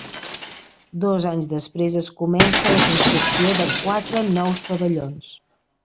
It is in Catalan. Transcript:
Dos anys després es comença la construcció de quatre nous pavellons.